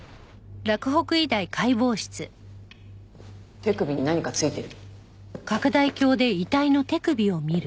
手首に何かついてる。